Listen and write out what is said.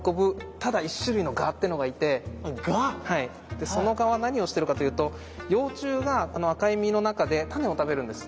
でその蛾は何をしてるかというと幼虫があの赤い実の中でタネを食べるんです。